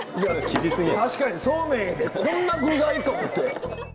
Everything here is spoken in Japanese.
確かにそうめんこんな具材？って思って。